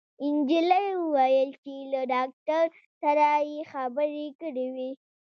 انجلۍ وويل چې له ډاکټر سره يې خبرې کړې وې